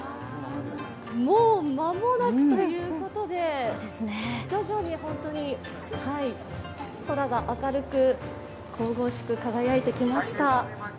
もう、間もなくということで、徐々に空がが明るく神々しく輝いてきました。